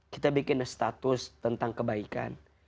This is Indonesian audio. kita bikin status tentang kebaikan